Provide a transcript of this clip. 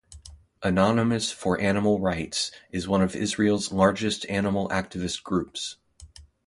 Anonymous for Animal Rights is one of Israel's largest animal activist groups.